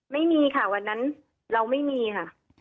ไม่มีค่ะวันนั้นเราไม่มีค่ะ